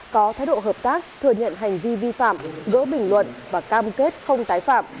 có thái độ hợp tác thừa nhận hành vi vi phạm gỡ bình luận và cam kết không tái phạm